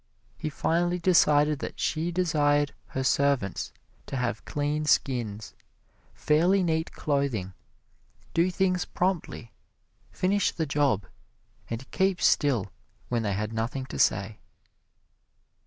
He finally decided that she desired her servants to have clean skins, fairly neat clothing, do things promptly, finish the job and keep still when they had nothing to say.